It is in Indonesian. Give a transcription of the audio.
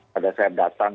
pada saya datang